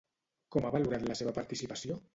Com ha valorat la seva participació?